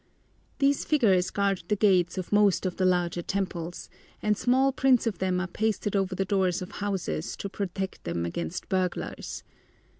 These figures guard the gates of most of the larger temples, and small prints of them are pasted over the doors of houses to protect them against burglars.